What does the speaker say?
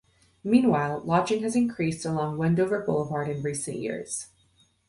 Meanwhile, lodging has increased along Wendover Boulevard in recent years.